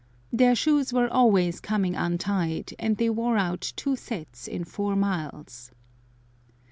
Their shoes were always coming untied, and they wore out two sets in four miles.